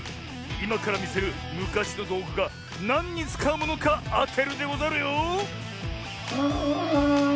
いまからみせるむかしのどうぐがなんにつかうものかあてるでござるよ。